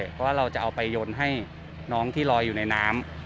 เพราะว่าเราจะเอาไปโยนให้น้องที่ลอยอยู่ในน้ำ